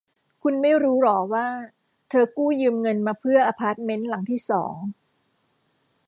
คุณไม่รู้หรอว่าเธอกู้ยืมเงินมาเพื่ออพาร์ตเม้นหลังที่สอง